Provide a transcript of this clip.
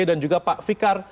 dan juga pak fikar